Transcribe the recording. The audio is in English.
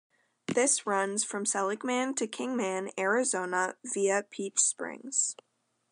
This runs from Seligman to Kingman, Arizona, via Peach Springs.